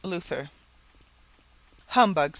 LUTHER. "Humbug!"